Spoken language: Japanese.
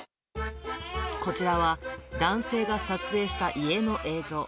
こちらは、男性が撮影した家の映像。